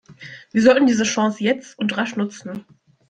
Wir sollten diese Chance jetzt und rasch nutzen!